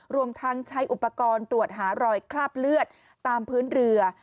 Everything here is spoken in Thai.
รวมทั้งใช้อุปกรณ์ตรวจหารอยคราบเลือดตามพื้นเรือ